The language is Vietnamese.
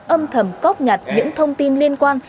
âm thầm cóc nhạt những thông tin liên quan